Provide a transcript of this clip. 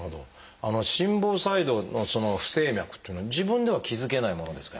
心房細動のその不整脈っていうのは自分では気付けないものですか？